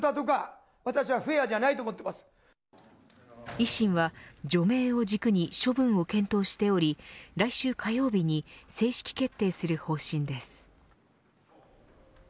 維新は、除名を軸に処分を検討しており来週火曜日に正式決定する方針です。